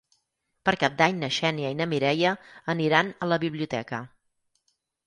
Per Cap d'Any na Xènia i na Mireia aniran a la biblioteca.